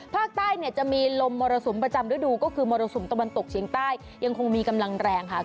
ภาคใต้เนี่ยจะมีลมมรสุมประจำฤดูก็คือมรสุมตะวันตกเฉียงใต้ยังคงมีกำลังแรงค่ะ